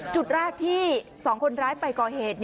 จุดแรกที่๒คนร้ายไปก่อเหตุ